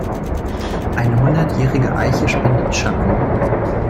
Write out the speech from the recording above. Eine hundertjährige Eiche spendet Schatten.